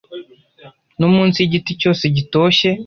no munsi y’igiti cyose gitoshye,